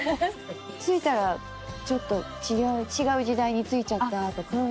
着いたらちょっと違う時代に着いちゃったとか。